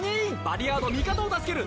リヤード味方を助ける！